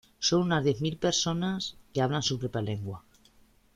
Son unas diez mil personas que hablan su propia lengua.